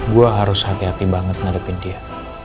gue harus hati hati banget ngadepin dia